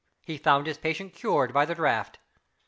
He found his patient cured by the draught!